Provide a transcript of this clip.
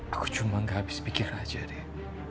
aku cuma gak habis pikir aja deh